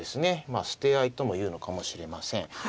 捨て合いともいうのかもしれません。